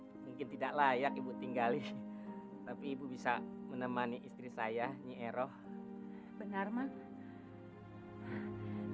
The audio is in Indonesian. mungkin tidak layak ibu tinggalin tapi ibu bisa menemani istri saya nyai eroh benar mas